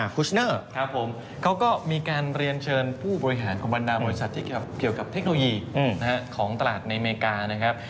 คุชเนอร์ครับผมเขาก็มีการเรียนเชิญผู้บริหารของบรรดาบริษัทที่เกี่ยวกับเทคโนโลยีของตลาดในอเมริกานะครับ